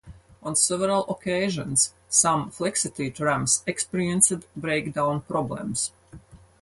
On several occasions, some Flexity trams experienced breakdown problems.